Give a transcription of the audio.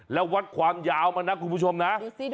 แล้ววัดความยาวมันนะคุณผู้ชมนะ